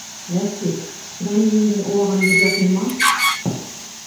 — Рәсих, перәнигеңдең ыуағын ергә ҡойма.